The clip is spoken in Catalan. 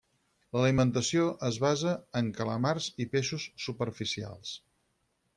L'alimentació es basa en calamars i peixos superficials.